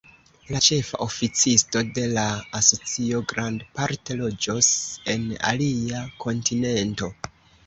La ĉefa oficisto de la asocio grandparte loĝos en alia kontinento.